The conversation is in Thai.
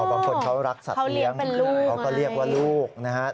บางคนเขารักสัตว์เลี้ยงเขาก็เรียกว่าลูกนะครับ